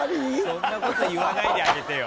そんなこと言わないであげてよ。